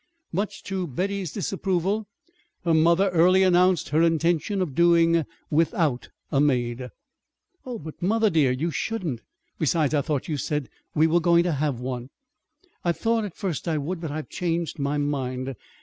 Much to Betty's disapproval, her mother early announced her intention of doing without a maid. "Oh, but, mother, dear, you shouldn't. Besides, I thought you said you were going to have one." "I thought at first I would, but I've changed my mind.